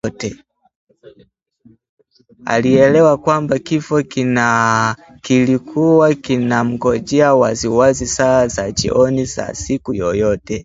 Alielewa kwamba kifo kilikuwa kinamngojea waziwazi saa za jioni za siku yoyote